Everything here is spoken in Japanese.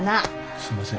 すいません。